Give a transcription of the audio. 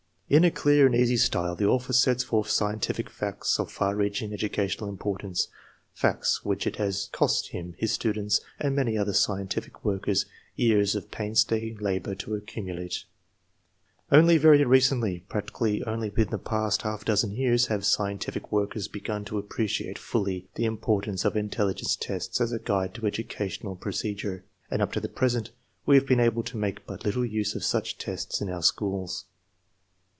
In a clear and easy style the author sots forth scientific facts of far reaching educational impor tance, facts which it has cost him, his students, and many other scientific workers, years of painstaking labor to ac cumulate, Only very recently, practically only within the past half dozen years, have scientific workers begun to appreciate fully the importance of intelligence tests as a guide to edu cational procedure, and up to the present we have been able to make but little use of such tests in our schools.